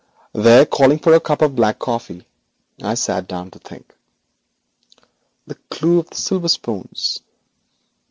There, calling for a cup of black coffee, I sat down to think. The clue of the silver spoons!